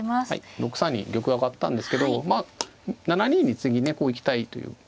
６三に玉上がったんですけどまあ７二に次ねこう行きたいという。